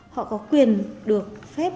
họ có quyền được phép